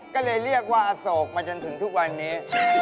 ก็เลยเรียกว่าอโศกมาจนถึงทุกวันนี้